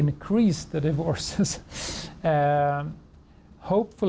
ไม่รู้แต่ผมเชื่อว่ามันไม่กลับการการการการฝีมือ